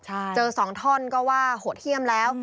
เจอสองท่อนก็ว่าโหดเยี่ยมแล้ว